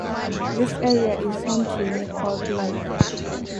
This area is home to unique wildlife.